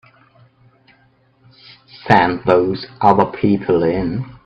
Send those other people in.